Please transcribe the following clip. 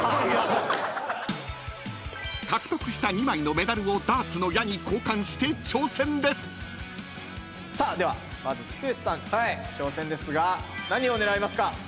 ［獲得した２枚のメダルをダーツの矢に交換して挑戦です］ではまず剛さんの挑戦ですが何を狙いますか？